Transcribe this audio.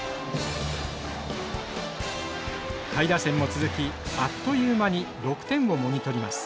下位打線も続きあっという間に６点をもぎ取ります。